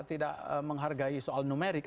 tidak menghargai soal numerik